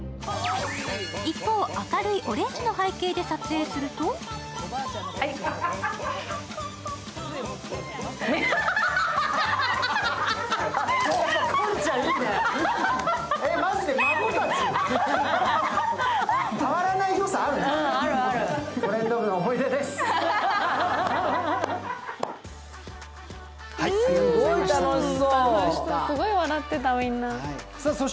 一方、明るいオレンジの背景で撮影するとすごい楽しそう。